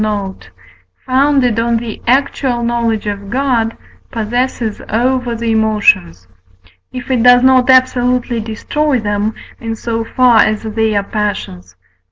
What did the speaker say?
note), founded on the actual knowledge of God, possesses over the emotions: if it does not absolutely destroy them, in so far as they are passions (V.